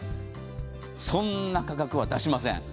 そんな価格は出しません。